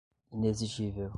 inexigível